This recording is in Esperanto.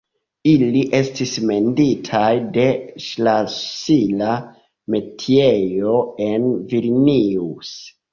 Ili estis menditaj de ŝlosila metiejo en Vilnius.